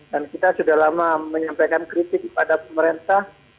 dan kita sudah lama menyampaikan kritik kepada pemerintah